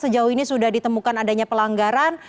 sejauh ini sudah ditemukan adanya pelanggaran